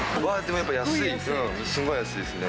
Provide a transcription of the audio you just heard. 安い、すごい安いですね。